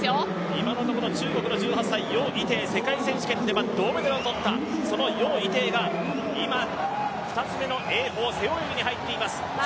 今のところ中国の１８歳、余依テイ、世界選手権では銅メダルを取ったその余依テイが今２つ目の泳法背泳ぎに入っています。